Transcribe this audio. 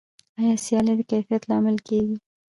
آیا سیالي د کیفیت لامل کیږي؟